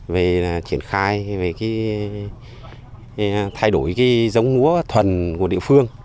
về triển khai về cái thay đổi cái giống lúa thuần của địa phương